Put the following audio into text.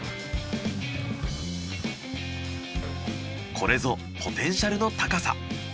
これぞポテンシャルの高さ。